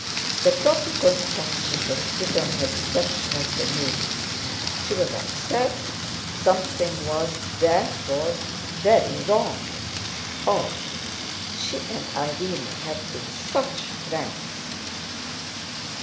The proper construction was put on her reception of the news. She was upset. Something was therefore very wrong. Odd! She and Irene had been such friends!